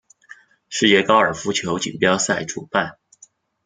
世界高尔夫球锦标赛主办。